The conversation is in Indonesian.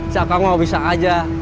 siapa mau bisa aja